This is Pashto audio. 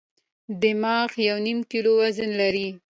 دماغ یو نیم کیلو وزن لري.